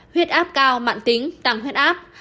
huyết áp cao mạn tính tăng huyết áp